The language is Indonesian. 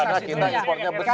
karena kita impornya besar